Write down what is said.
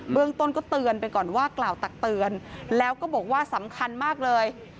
เรื่องต้นก็เตือนไปก่อนว่ากล่าวตักเตือนแล้วก็บอกว่าสำคัญมากเลย